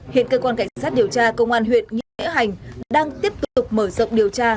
hiện cơ quan cảnh sát điều tra công an huyện nghĩa hành đang tiếp tục mở rộng điều tra